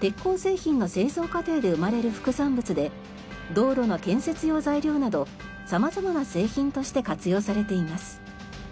鉄鋼製品の製造過程で生まれる副産物で道路の建設用材料など様々な製品として活用されています。